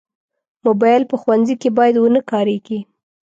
موبایل په ښوونځي کې باید ونه کارېږي.